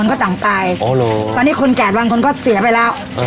เออหรอตอนนี้คนแกดวางข้องเขาเสียไปแล้วเออ